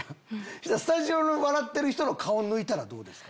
そしたらスタジオの笑ってる人の顔抜いたらどうですか？